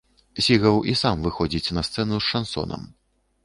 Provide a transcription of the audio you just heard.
Сігаў і сам выходзіць на сцэну з шансонам.